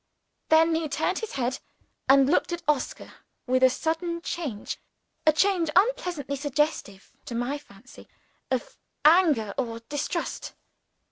Then he turned his head and looked at Oscar with a sudden change a change, unpleasantly suggestive (to my fancy) of anger or distrust.